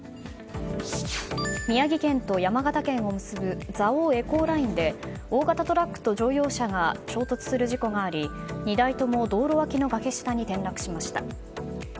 宮城県と山形県を結ぶ蔵王エコーラインで大型トラックと乗用車が衝突する事故があり２台とも道路脇の崖下に転落しました。